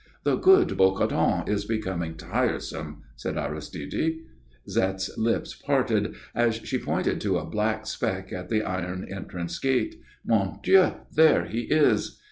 "The good Bocardon is becoming tiresome," said Aristide. Zette's lips parted, as she pointed to a black speck at the iron entrance gates. "Mon Dieu! there he is!"